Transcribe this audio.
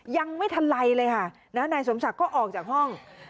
ยังไม่ทันไรเลยค่ะนายสมศักดิ์ก็ออกจากห้อง